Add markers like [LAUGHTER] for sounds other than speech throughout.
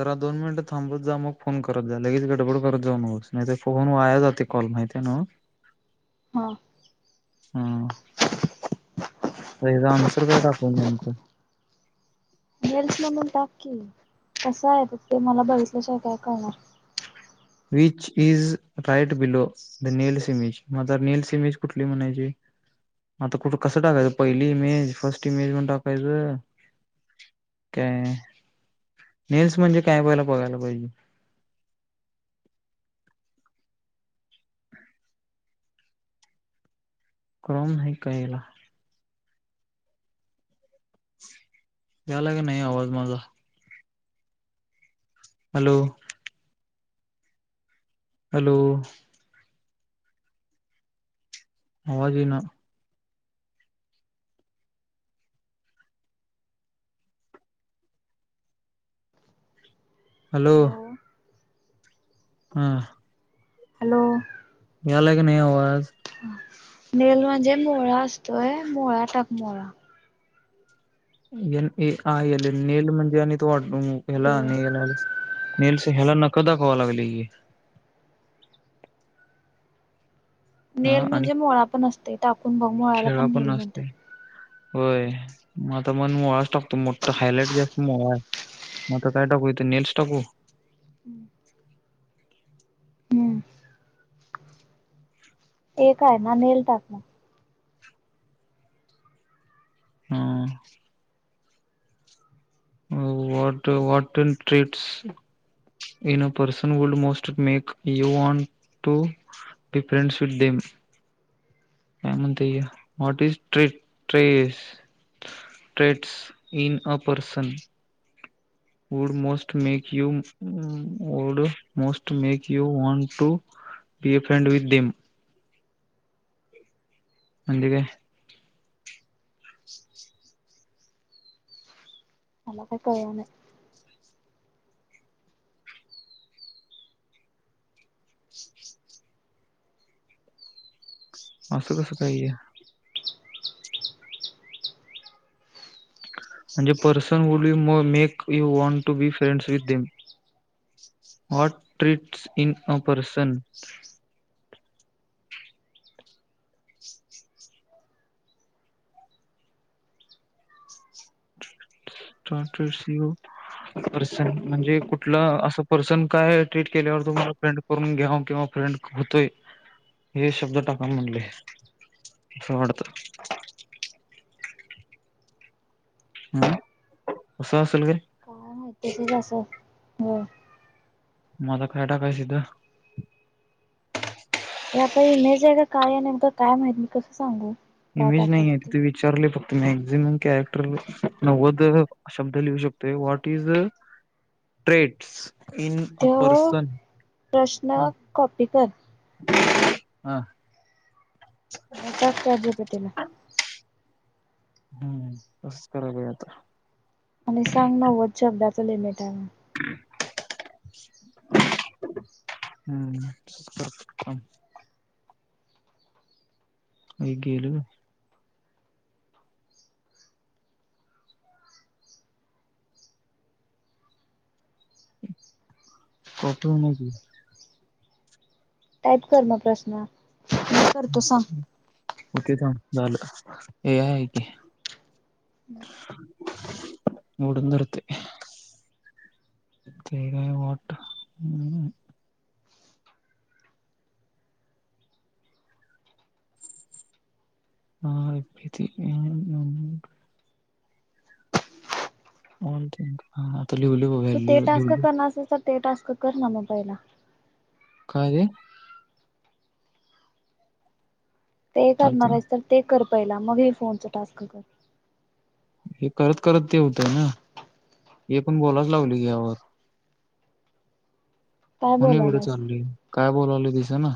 जरा दोन मिनिटं थांबत जा मग फोन करत जा लगेच गडबड करत जाऊ नकोस नाही तर फोन वाया जाते कॉल माहितीये नव्ह. [INAUDIBLE] हा. ह ह्याचं आनसर काय टाकू नेमकं गेल्स म्हणुन टाक की कसं आहे तर ते मला बघितल्या शिवाय काय कळणार which is right below the nails image म तर नेल्स इमेज कुठली म्हणायची. म अता कुठ कसं टाकायचं पहिली इमेज फस्ट इमेज म्हण टाकायचं. काय नेल्स म्हणजे काय मला बघायला पाहिजे. क्रोम नाही का ह्याला झाला का नाही आवाज माझा हॅलो हॅलो आवाज येईना. हॅलो हा. हॅलो यायला क नाही आवाज नेल म्हणजे मोळा असतोय मोळा टाक मोळा. N A I L nail म्हणजे आणि हेला हॅलो नेल आलं नेल्स ह्याला नखं दाखवा लागली की. हा नेल आणि म्हणजे मुळा पण असते टाकून बघ मुळ्याला खेळा पण नेल नसते म्हणत्यात. होय म आता मन मोळाच टाकतो मोठ्ठा हायलाइट जास्त मोळा हे मता काय टाकू इथ नेल्स टाकू. हम्म एकय ना नेल टाकण. हम. वाट what in traits. In a person would most make you want to difference with them. काय म्हणता ये वॉट इज टे traits. Traits in a person. Would must make you would must make you want to. Be a friend with them. म्हणजे काय मला काय कळलं नाही असं कसं काही आहे. म्हणजे person would you make you want to be friends with them. What traits in a person. तटर सिओ. पर्सन म्हणजे कुठलं असं पर्सन काय ट्रीट केल्यावर तुम्हाला फ्रेंड करून घ्या किंवा. होतोय हे शब्द टाकाय म्हणले. स वाडत. हम अस असलं काय काय माहती तसंच असलं होय मग आता काय टाकायचं इथ आता इमेज आहे का काय आहे नेमक काय माहित मी कसं सांगू. काय इमेज नाही टाकायचं आहे ति ते त विचारले फक्त. मॅक्झिमम कॅरेक्टर नव्वद शब्द लिहू शकतो what is traits in a तो पर्सन हा. प्रश्न कॉपी कर हा. [UNINTELLIGIBLE] हम्म तसंच कराब आता. आणि सांग नववच शब्दाच लिमिट आहे. [UNINTELLIGIBLE] हम्म. आई गेलना. [UNINTELLIGIBLE] टाईप कर म प्रश्न. मी करतो सांग हो तेच झालं हे आहे की. [UNINTELLIGIBLE] उडून धरते. ते काय वाट हम्म. [UNINTELLIGIBLE] [UNINTELLIGIBLE] तू ते टास्क लिहले करणार असेल तर ते टास्क कर ना मोबाईला. काय. ते करणार आहेच तर ते कर पाहिला मग हे फोनच टास्क कर. हे करत करत ते होतय ना हे पण बोलाच लावली घे वर. काय मून एवढं बोलायलास चालय काय बोलावले दिस ना.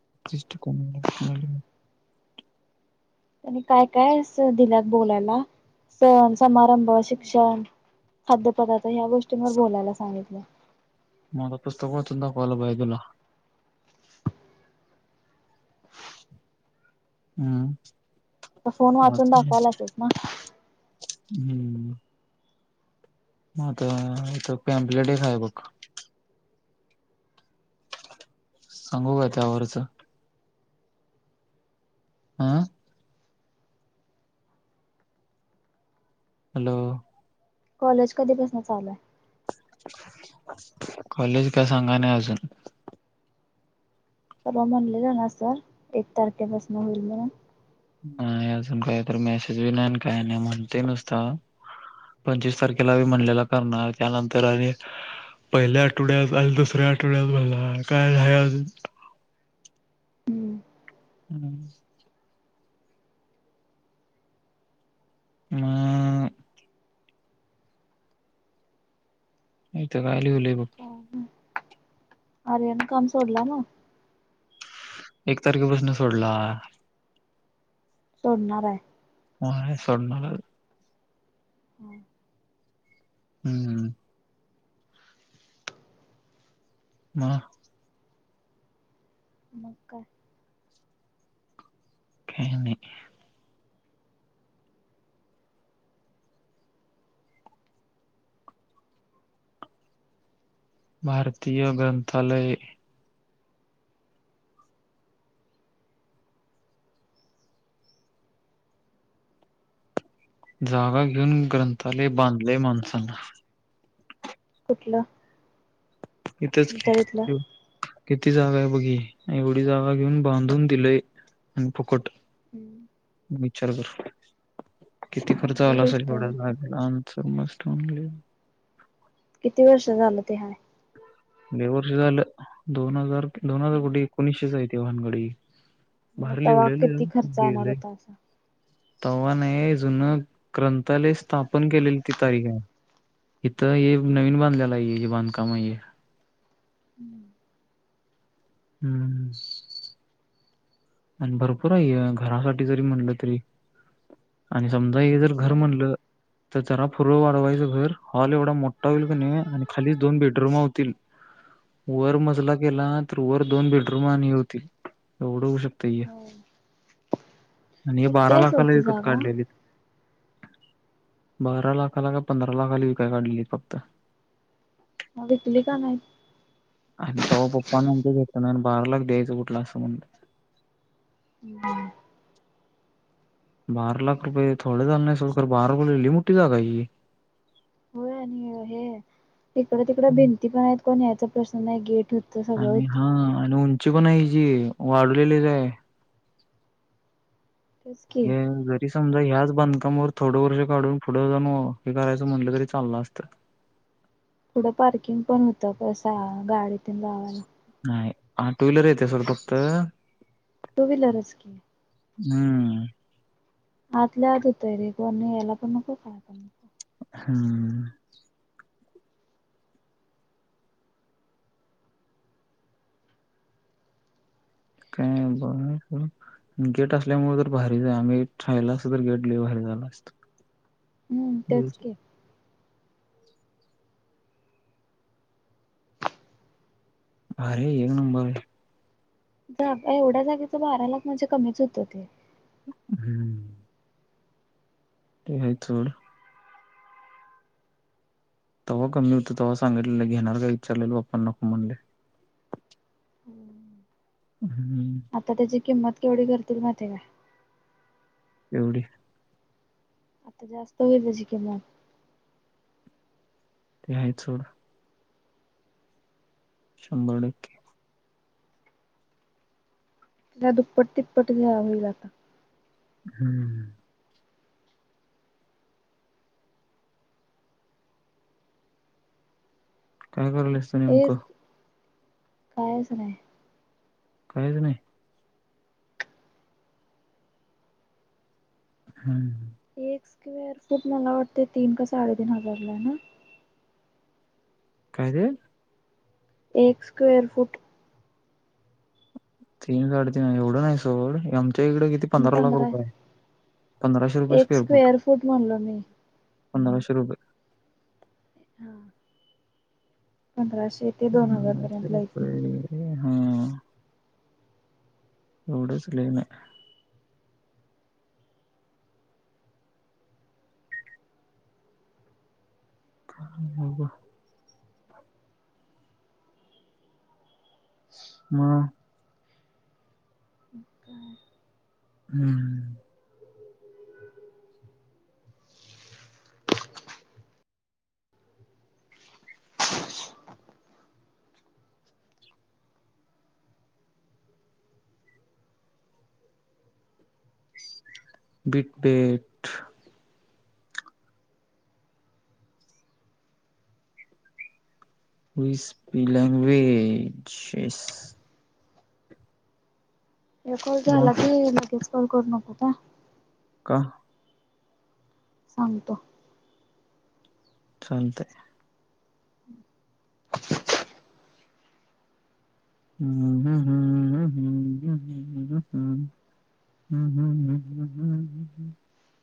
[UNINTELLIGIBLE] त्यांनी काय काय दिल्या बोलायला सण समारंभ शिक्षण खाद्यपदार्थ ह्या गोष्टींवर बोलायला सांगितलं. मला पुस्तक वाचून दाखवायला पाहिजेल. हम्म. फोन वाचून दाखवालायसच ना. हम्म. मग आता पॅम्प्लेट एक आहे बघ. सांगू का त्यावरचं. आ. हॅलो. कॉलेज कधी पासून चालू हाय. कॉलेज काय सांगाय नाही अजून. म्हणलेला ना सर एक तारखेपासन होईल म्हणून. ह अजून काहीत मेसेज बी नाही काय नाही म्हणतोय नुस्ता हा पंचव्वीस तारखेला म्हणलेला करणार त्यानंतर आणि पहिल्या आठवड्यात आणि दुसऱ्या आठवड्यात म्हंटला काय नाही अजून हम्म. म. इथं काय लिवलंय बघ. आर्या न काम सोडला नव्ह. एक तारखेपासन सोडला. सोडणार आहे. [UNINTELLIGIBLE] सोडणारा. हा हम्म हम्म. म. [UNINTELLIGIBLE] काही नाही. भारतीय ग्रंथालय जागा घेऊन ग्रंथालय बांधले माणसांना. कुठलं. इथच की तुमच्या तिथलं किती जागा आहे बघ ही एवढी जागा घेऊन बांधून दिलय आणि फुकट. विचार कर. किती खर्च चांगली आला असेल गोष्ट आहे एवढ्याला आमचं. किती वर्ष झालं ते हाय. लय वर्ष झालं दोन हजार दोन हजार कुठे एकोणीसशेची आहे भानगड ही मग बाहेर तवा लिवलेलं किती खर्च येणार गेलय. होता असा तवा नाही जुन ग्रंथालय स्थापन केलेली ती तारीख आहे. इथं हे नवीन बांधलेलं आहे ज बांधकाम आहे. हम्म. हम्म ह. आणि भरपूर आहे घरासाठी जरी म्हणलं तरी आणि समजा हे जर घर होय म्हणलं. तर जरा पुढं वाढवायचं घर हॉल एवढा मोठा होईल क नाही आणि खालीच दोन बेडरूमा होतील. वर मजला केला तर वर दोन बेडरूम आणि होतील एवढं होऊ शकत. होय आणि हे मोठी बारा आहे सोड लाखाला ती विकत जागा काढलय. बारा लाखाला का पंधरा लाखाली विकय काढलेली फक्त विकली का नाही आणि तवा पप्पा म्हणत. बारा लाख द्यायचं कुठलं असं म्हणत. बारा लाख रुपये थोडे झाले नाही सोड खरं लय मोठी जागा आहे ही. हो आणि हे तिकड तिकड हं. भिंती पण आहेत कोण याचा प्रश्न नाही. गेट होतं सगळं आणि होतं हा आणि उंची पण हाय याची वाढवलेलीच आहे. तेच की हे जरी समजा ह्याच बांधकामावर थोडं वर्ष काढून पुढं जाऊ हे करायचं म्हटलं तरी चाललं असतं. [UNINTELLIGIBLE] पुडं पार्किंग पण होतं कस गाडीतून लावायला. नाही हा टू व्हीलर येत असेल फक्त टू व्हीलरच की. हम्. आतले आत होतोय रे तेला पण नको काय नको. हम्म.... काय बघ गेट असल्यामुळे तर भारीच आम्ही राहिला अस तर गेट भारी. [UNINTELLIGIBLE] हम्म त्याच के अरे येणा [UNINTELLIGIBLE] जा एवढ्या जागेच बारा लाख म्हणजे कमीच होत ते. हम्म. ते आहेच. [UNINTELLIGIBLE] तेव्हा कमी होतो तेव्हा सांगितल घेणार काय विचारलेल तेव्हा पप्पा नको म्हणले. हम्म आता त्याची किंमत केवढी करतील माहिती हाय का? एवढी. आता जास्त होईल त्याची किम्मत. ते आहे सोड शंभर टक्के. तिला दुप्पट, तिप्पट लिलाव होईल आता. हम्म. काय करायलीस तु नेमकं? कायचं नाहीय. काहीच नाही. हम्म. एक स्क्वेअर फूट मला वाटते तीन का साडेतीन हजार ला ना? काय रे.? एक स्क्वेअर फुट. तीन, साडे-तीन एवढं नाही सोड त्याचा इकडे किती पंधरा लाख रुपये आहे पंधराशे रुपये एक स्क्वेअर फुट. फूट म्हणलो मी. पंधराशे रुपये. हा.... पंधराशे. ते दोन हजार पर्यंतला [UNINTELLIGIBLE] इथलं. हा एवढचं [UNINTELLIGIBLE] [UNINTELLIGIBLE] हा.. हम्म हम. बीट-बेट हुंएसपी लँंगवेज जेस् कॉल मग झाला की लगेच कॉल करू नको का? का? सांगतो.. चालतयृ. हम्म हम, हम हमम, हम् ह हम.... हम्म हम्म हम्म हम्म हम्म हम्म हम्म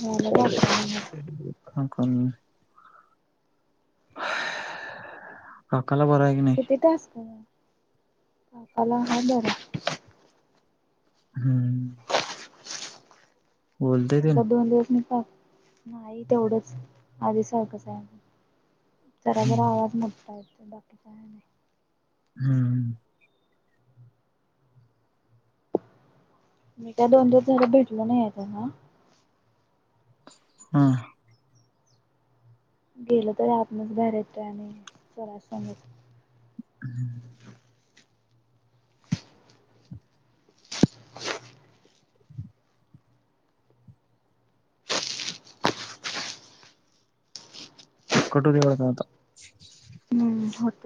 झालं बारा मिनिट. रिकामा ऑडिओ किती तास [UNINTELLIGIBLE] हम्म. बोलतय ते आता दोन दिवस म का नाही तेवढंच आधी सारखंच आहे. जरा जरा हम्म आवाज मुठता य बाकी का? हम्. मी का दोन दिवस झारा भेटलो नाही त्यांना. हा. गेल तरी आपणच बाहेर येतोय आणि सरा सांगत. हम्म. अस अच्छा. कटु देवढ नव्हता. हम् होत.